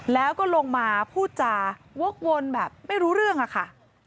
แล้วก็ลงมาพูดจาวกวนแบบไม่รู้เรื่องอะค่ะ